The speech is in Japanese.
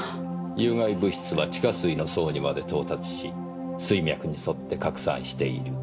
有害物質は地下水の層にまで到達し水脈に沿って拡散している。